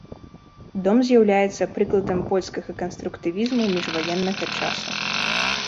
Дом з'яўляецца прыкладам польскага канструктывізму міжваеннага часу.